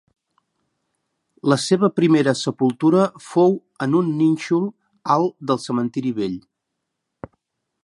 La seva primera sepultura fou en un nínxol alt del Cementiri Vell.